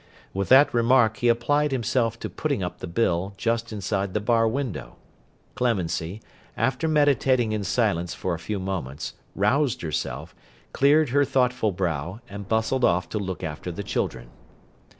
With that remark, he applied himself to putting up the bill just inside the bar window. Clemency, after meditating in silence for a few moments, roused herself, cleared her thoughtful brow, and bustled off to look after the children.